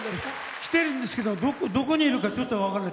来てるんですけどどこにいるんだか分かんない。